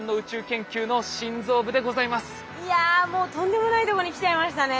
いやもうとんでもないとこに来ちゃいましたね。